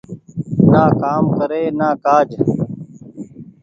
نآ ڪآم ڪري نآ ڪآج۔